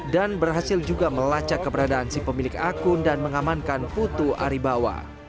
dan berhasil juga melacak keberadaan si pemilik akun dan mengamankan putu aribawa